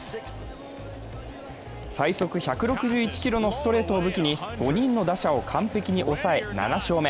最速１６１キロのストレートを武器に５人の打者を完璧に抑え７勝目。